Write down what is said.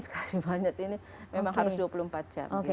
sekali banyak ini memang harus dua puluh empat jam